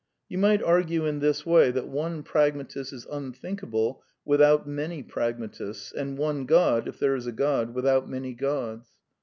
You might argue in this way that one pragmatist is unthinkable without many pragmatists, and one God (if there is a God) without many gods.